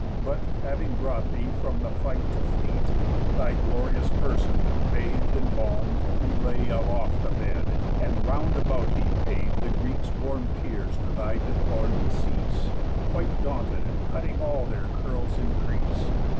But, having brought thee from the fight to fleet, Thy glorious person, bath'd and balm'd, we laid Aloft a bed; and round about thee paid The Greeks warm tears to thy deplor'd decease, Quite daunted, cutting all their curls' increase.